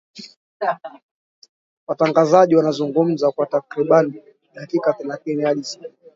watangazaji wanazungumza kwa takribani dakika thelathi hadi saa moja